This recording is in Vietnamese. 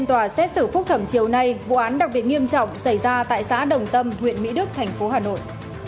từ phút thẩm chiều nay vụ án đặc biệt nghiêm trọng xảy ra tại xã đồng tâm huyện mỹ đức thành phố hà nội